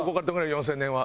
４０００年は。